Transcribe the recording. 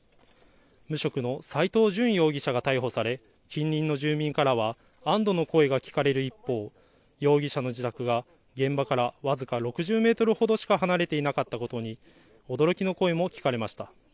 無職の斎藤淳容疑者が逮捕され近隣の住民からは安どの声が聞かれる一方、容疑者の自宅が現場から僅か６０メートルほどしか離れていなかったことに驚きの声も聞かれました。